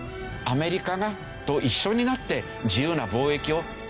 アメリカと一緒になって自由な貿易をやっていきたい。